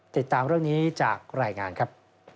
ติดตามเรื่องนี้จากรายงานครับ